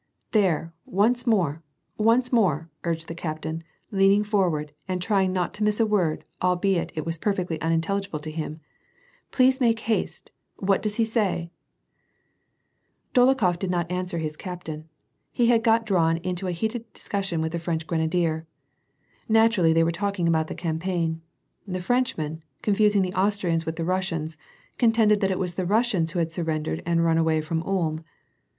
" There, once more, once more," urged the captain, leaning forward and trying not to miss a word, albeit it was perfectly unintelligible to him !" Please make haste ! What does he say ?" Dolokhof did not answer his captain ; he had got drawn in to a heated discussion with the French grenadier. Naturally, they were talking about the campaign. The Frenchman, con fusing the Austrians with the Russians, contended that it was the Russians who had surrendered and run away from Ulm.